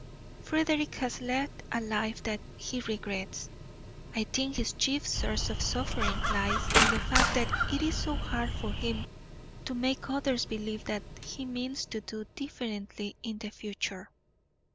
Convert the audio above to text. Frederick has led a life that he regrets. I think his chief source of suffering lies in the fact that it is so hard for him to make others believe that he means to do differently in the future."